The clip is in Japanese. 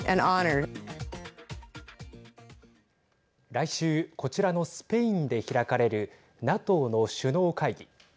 来週こちらのスペインで開かれるＮＡＴＯの首脳会議。